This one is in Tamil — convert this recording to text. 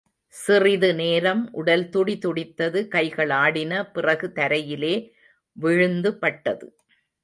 சிறிது நேரம் உடல் துடி துடித்தது கைகள் ஆடின பிறகு தரையிலே விழுந்து பட்டது.